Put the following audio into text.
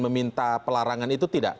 meminta pelarangan itu tidak